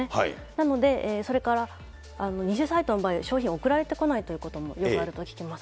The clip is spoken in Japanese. なので、それから偽サイトの場合、商品送られてこないということもよくあると聞きます。